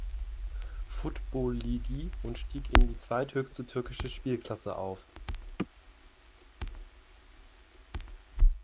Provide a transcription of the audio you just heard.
Futbol Ligi und stieg in die zweithöchste türkische Spielklasse auf.